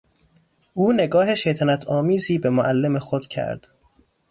او نگاه شیطنت آمیزی به معلم خود کرد.